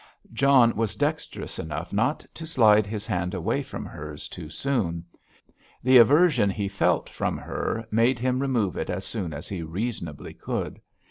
John was dexterous enough not to slide his hand away from hers too soon. The aversion he felt from her made him remove it as soon as he reasonably could.